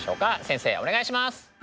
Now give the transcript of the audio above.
先生お願いします。